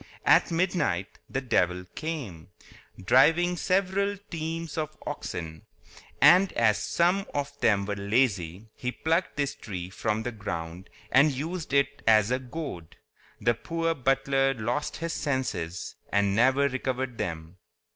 At midnight the devil came, driving several teams of oxen; and as some of them were lazy, he plucked this tree from the ground and used it as a goad. The poor butler lost his senses, and never recovered them.